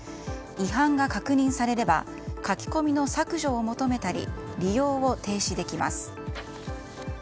違反が確認されれば書き込みの削除を求めたり利用を停止できます。